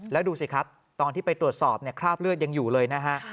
แล้วดูสิครับตอนที่ไปตรวจสอบคราบเลือดยังอยู่เลยนะฮะ